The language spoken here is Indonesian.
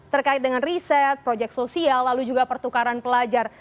terkait dengan riset proyek sosial lalu juga pertukaran pelajar